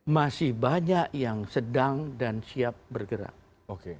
masih banyak yang sedang dan siap bergerak